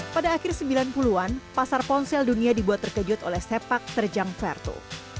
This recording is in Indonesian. pada akhir sembilan puluh an pasar ponsel dunia dibuat terkejut oleh sepak terjang verto